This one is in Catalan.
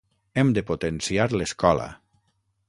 Hem de potenciar l’escola.